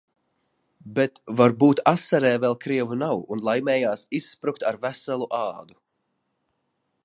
"Bet, varbūt Asarē vēl krievu nav un laimējās izsprukt "ar veselu ādu"."